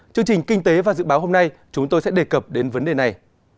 chương trình kinh tế và dự báo hôm nay chúng tôi sẽ đề cập đến vấn đề này